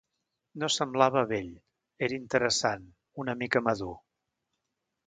No semblava bell, era interessant, una mica madur...